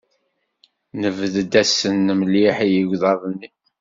Nebded-asen mliḥ i yegḍaḍ-nni.